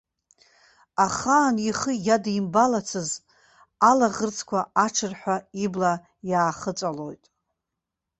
Ахаан ихы иадимбалацыз алаӷырӡқәа аҽырҳәа ибла иаахыҵәалоит.